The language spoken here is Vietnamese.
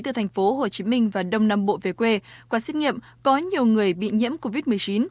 từ thành phố hồ chí minh và đông nam bộ về quê qua xét nghiệm có nhiều người bị nhiễm covid một mươi chín